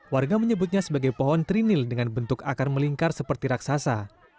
warga menyebutnya sebagai pohon trinil dengan bentuk akar melingkar seperti raksasa